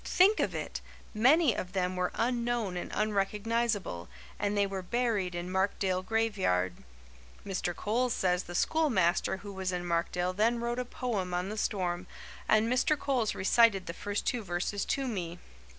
Think of it! Many of them were unknown and unrecognizable, and they were buried in Markdale graveyard. Mr. Coles says the schoolmaster who was in Markdale then wrote a poem on the storm and Mr. Coles recited the first two verses to me.